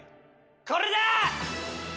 これだ！